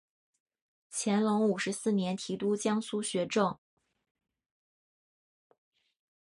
乾隆五十四年提督江苏学政。